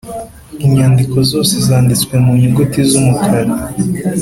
inyandiko zose zanditswe mu nyuguti z umukara